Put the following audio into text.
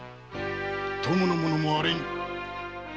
供の者もあれに。